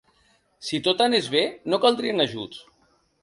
Si tot anés bé, no caldrien ajuts.